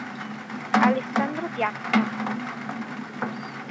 Alessandro Piazza